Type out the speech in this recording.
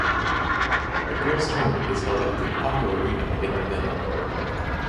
The girls tournament is held at the Paco Arena in Manila.